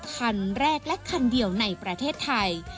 คันแรกและคันเดียวในประเทศไทย